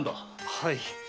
はい。